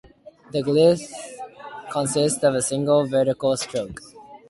The glyph consists of a single vertical stroke.